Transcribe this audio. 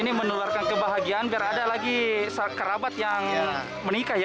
ini menularkan kebahagiaan biar ada lagi kerabat yang menikah ya